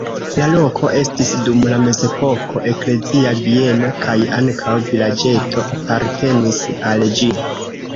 La loko estis dum la mezepoko eklezia bieno kaj ankaŭ vilaĝeto apartenis al ĝi.